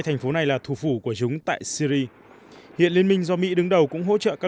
thành phố này là thủ phủ của chúng tại syri hiện liên minh do mỹ đứng đầu cũng hỗ trợ các